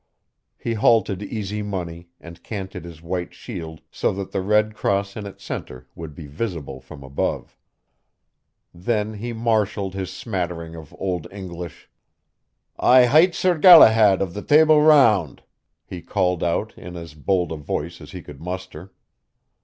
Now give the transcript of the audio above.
He halted Easy Money and canted his white shield so that the red cross in its center would be visible from above. Then he marshalled his smattering of Old English. "I hight Sir Galahad of the Table Round," he called out in as bold a voice as he could muster.